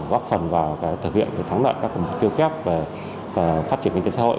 góp phần vào thực hiện thắng lợi các mục tiêu kép về phát triển kinh tế xã hội